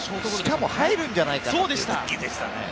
しかも入るんじゃないかという打球でしたね。